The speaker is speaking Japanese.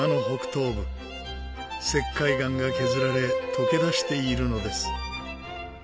石灰岩が削られ溶け出しているのです。